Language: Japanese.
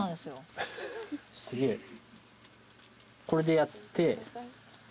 これでやって。